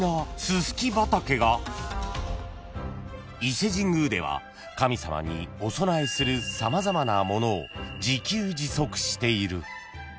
［伊勢神宮では神様にお供えする様々なものを自給自足している］